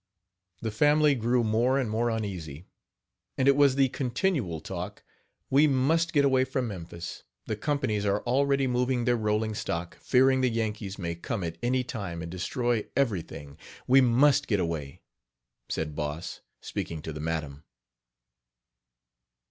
The family grew more and more uneasy; and it was the continual talk: "We must get away from Memphis. The companies are already moving their rolling stock, fearing the Yankees may come at any time and destroy everything; we must get away," said Boss, speaking to the madam.